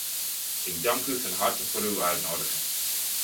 Ik dank u van harte voor uw uitnodiging.